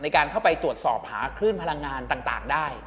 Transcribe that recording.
ในการเข้าไปตรวจสอบหาคลื่นพลังงานต่างได้